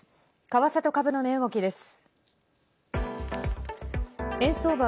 為替と株の値動きです。